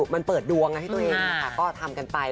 มันเปิดดวงให้ตัวเองนะคะก็ทำกันไป